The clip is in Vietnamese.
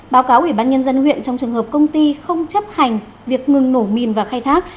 báo cáo ủy ban nhân dân huyện trong trường hợp công ty không chấp hành việc ngừng nổ mìn và khai thác